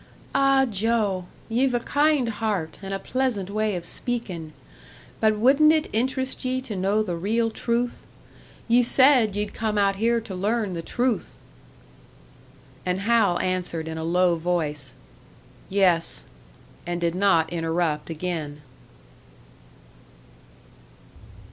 "Ah, Joe! Ye've a kind heart, and a pleasant way of speakin'. But wouldn't it interest ye to know the real truth? Ye said ye'd come out here to learn the truth!" And Hal answered, in a low voice, "Yes," and did not interrupt again.